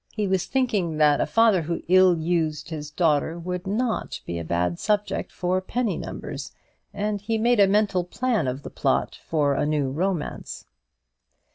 He was thinking that a father who ill used his daughter would not be a bad subject for penny numbers; and he made a mental plan of the plot for a new romance.